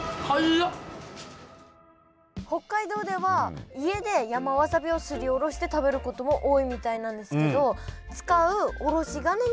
北海道では家で山わさびをすりおろして食べることも多いみたいなんですけど